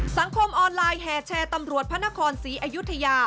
สังคมออนไลน์แห่แชร์ตำรวจพระนครศรีอยุธยา